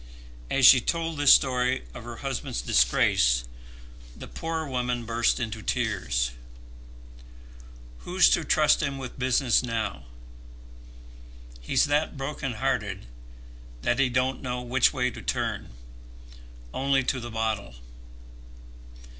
As she told this story of her husband's disgrace, the poor woman burst into tears. "Who's to trust him with business now? He's that broken hearted that he don't know which way to turn, only to the bottle.